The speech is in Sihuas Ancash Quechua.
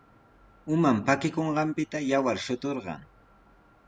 Uman pakikunqanpita yawar shuturqan.